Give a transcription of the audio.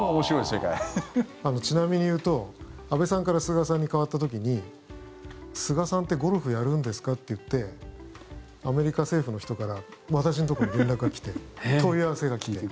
ちなみに言うと安倍さんから菅さんに代わった時に菅さんってゴルフやるんですかといってアメリカ政府の人から私のところに連絡が来て問い合わせが来て。